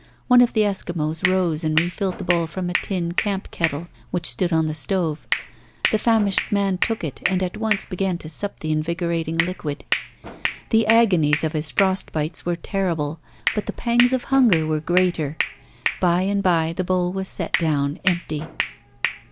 One of the Eskimos rose and re filled the bowl from a tin camp kettle which stood on the stove. The famished man took it and at once began to sup the invigorating liquid. The agonies of his frost bites were terrible, but the pangs of hunger were greater. By and by the bowl was set down empty.